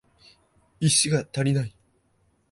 石が足りない